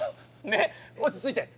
ねえ落ち着いてほら。